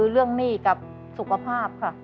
เรื่องหนี้กับสุขภาพค่ะ